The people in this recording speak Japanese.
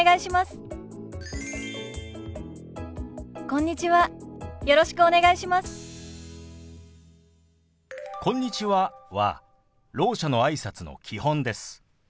「こんにちは」はろう者のあいさつの基本です。